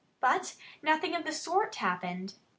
But nothing of the sort happened.